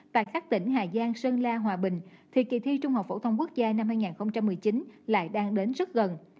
tại các tỉnh hà giang sơn la hòa bình thì kỳ thi trung học phổ thông quốc gia năm hai nghìn một mươi chín lại đang đến rất gần